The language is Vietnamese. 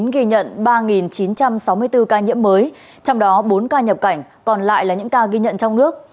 ghi nhận ba chín trăm sáu mươi bốn ca nhiễm mới trong đó bốn ca nhập cảnh còn lại là những ca ghi nhận trong nước